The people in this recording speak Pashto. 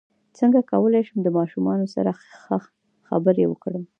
څنګه کولی شم د ماشومانو سره ښه خبرې وکړم